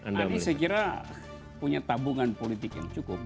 nah ini saya kira punya tabungan politik yang cukup